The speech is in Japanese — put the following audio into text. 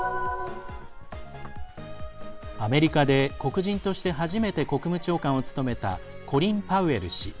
アメリカで黒人として初めて国務長官を務めたコリン・パウエル氏。